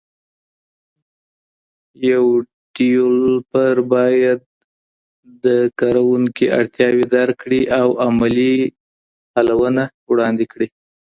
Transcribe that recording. یو ډیولپر باید د کاروونکي اړتیاوې درک کړي او عملي حلونه وړاندې کړي.